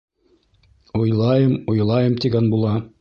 — Уйлайым, уйлайым, тигән була.